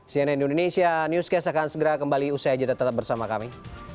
cnn indonesia newscast akan segera kembali usai jadwal tetap bersama kami